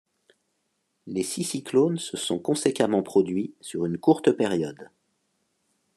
Les six cyclones se sont conséquemment produits sur une courte période.